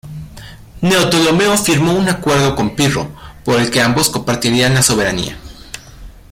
Neoptólemo firmó un acuerdo con Pirro por el que ambos compartirían la soberanía.